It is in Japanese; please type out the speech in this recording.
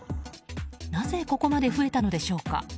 なぜここまで増えたのでしょうか。